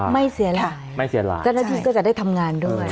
ไม่เสียหลายเจ้าหน้าที่ก็จะได้ทำงานด้วย